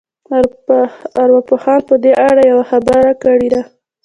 ارواپوهانو په دې اړه يوه ښه خبره کړې ده.